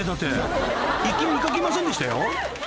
［行き見掛けませんでしたよ］